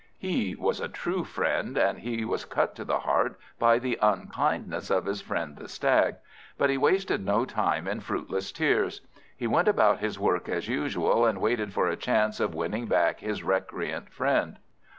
He was a true friend, and he was cut to the heart by the unkindness of his friend the Stag; but he wasted no time in fruitless tears. He went about his work as usual, and waited for a chance of winning back his recreant friend.